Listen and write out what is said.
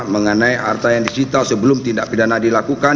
mengenai harta yang disita sebelum tindak pidana dilakukan